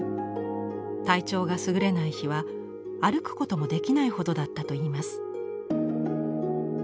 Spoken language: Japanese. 体調がすぐれない日は歩くこともできないほどだったといいます。